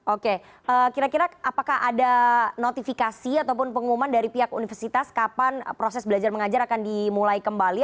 oke kira kira apakah ada notifikasi ataupun pengumuman dari pihak universitas kapan proses belajar mengajar akan dimulai kembali